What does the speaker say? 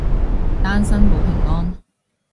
單身保平安